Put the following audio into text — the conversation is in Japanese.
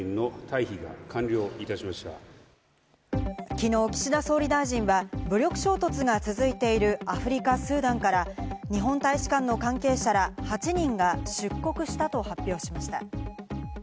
昨日、岸田総理大臣は武力衝突が続いてるアフリカ・スーダンから日本大使館の関係者ら８人が出国したと発表しました。